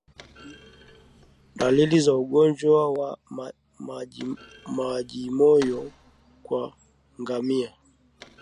Dalili za ugonjwa wa majimoyo kwa ngamia